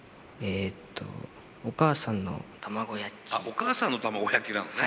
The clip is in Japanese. お母さんの卵焼きなのね。